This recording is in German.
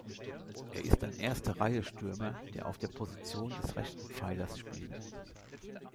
Er ist ein Erste-Reihe-Stürmer, der auf der Position des rechten Pfeilers spielt.